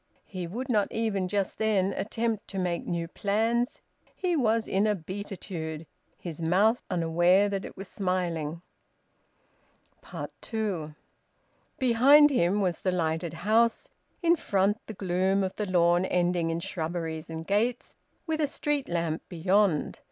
He would not even, just then, attempt to make new plans. He was in a beatitude, his mouth unaware that it was smiling. TWO. Behind him was the lighted house; in front the gloom of the lawn ending in shrubberies and gates, with a street lamp beyond.